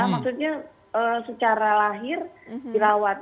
maksudnya secara lahir dirawat